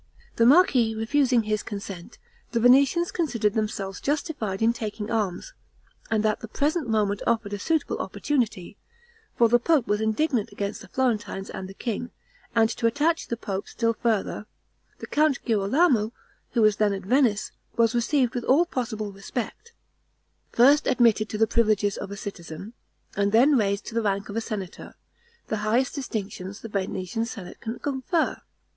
The marquis refusing his consent, the Venetians considered themselves justified in taking arms, and that the present moment offered a suitable opportunity; for the pope was indignant against the Florentines and the king; and to attach the pope still further, the Count Girolamo, who was then at Venice, was received with all possible respect; first admitted to the privileges of a citizen, and then raised to the rank of a senator, the highest distinctions the Venetian senate can confer.